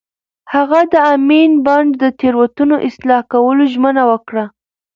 هغه د امین بانډ د تېروتنو اصلاح کولو ژمنه وکړه.